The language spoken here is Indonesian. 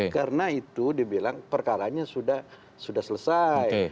karena itu dibilang perkaranya sudah selesai